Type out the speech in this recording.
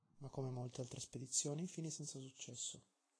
Ma come molte altre spedizioni, fini senza successo.